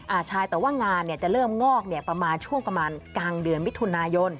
อ่าใช่แต่ว่างานจะเริ่มงอกประมาณช่วงกลางเดือนมิถุนายน